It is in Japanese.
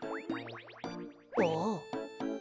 ああ。